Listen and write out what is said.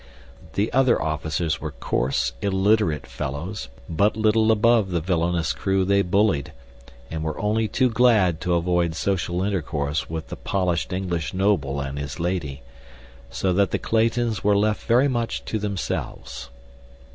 The other officers were coarse, illiterate fellows, but little above the villainous crew they bullied, and were only too glad to avoid social intercourse with the polished English noble and his lady, so that the Claytons were left very much to themselves.